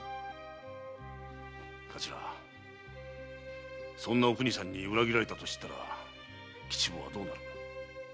頭そんなお邦さんに裏切られたと知ったら吉坊はどうなる？